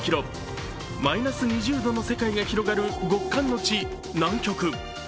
マイナス２０度の世界が広がる極寒の地・南極。